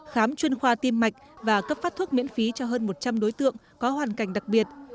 khám chuyên khoa tim mạch và cấp phát thuốc miễn phí cho hơn một trăm linh đối tượng có hoàn cảnh đặc biệt